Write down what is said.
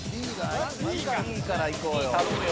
Ｂからいこうよ。